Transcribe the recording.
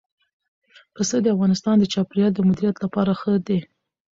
پسه د افغانستان د چاپیریال د مدیریت لپاره دي.